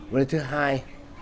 với thứ hai